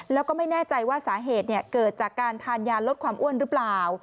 แล้วก็ไม่แน่ใจว่าสาเหตุเกิดจากการทานยาลดความอ้วนหรือเปล่า